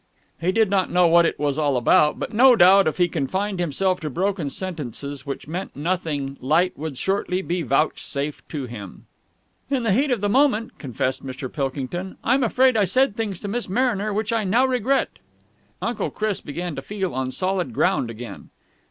He did not know what it was all about, but no doubt if he confined himself to broken sentences which meant nothing light would shortly be vouchsafed to him. "In the heat of the moment," confessed Mr. Pilkington, "I'm afraid I said things to Miss Mariner which I now regret." Uncle Chris began to feel on solid ground again.